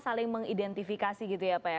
saling mengidentifikasi gitu ya pak ya